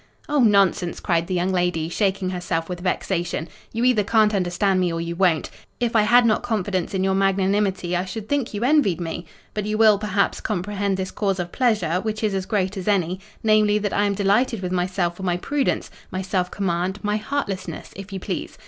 "Oh, nonsense!" cried the young lady, shaking herself with vexation. "You either can't understand me, or you won't. If I had not confidence in your magnanimity, I should think you envied me. But you will, perhaps, comprehend this cause of pleasure—which is as great as any—namely, that I am delighted with myself for my prudence, my self command, my heartlessness, if you please.